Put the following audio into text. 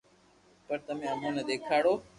پر تمي امو ني ديکاڙو